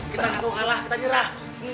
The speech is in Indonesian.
kita gak mau kalah kita nyerah